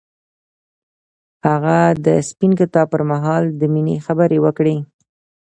هغه د سپین کتاب پر مهال د مینې خبرې وکړې.